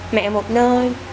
mẹ một nơi